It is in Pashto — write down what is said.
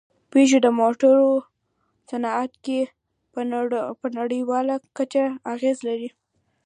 پيژو د موټرو صنعت کې په نړۍواله کچه اغېز لري.